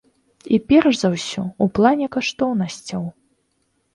І, перш за ўсё, у плане каштоўнасцяў.